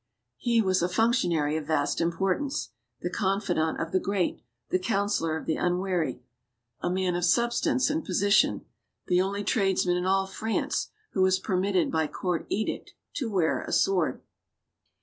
He was a functionary of vast impor tance, the confidant of the great, the counselor of the unwary, a man of substance and position, the only tradesman in all France who was permitted by court edict to wear a sword.